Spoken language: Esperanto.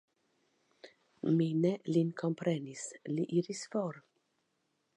Mi ne lin komprenis, li iris for.